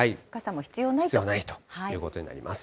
必要ないということになります。